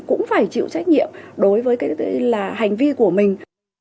cũng phải chịu trách nhiệm đối với cái hành vi của mình